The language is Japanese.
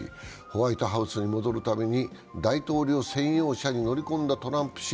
ホワイトハウスに戻るために大統領専用車に乗り込んだトランプ氏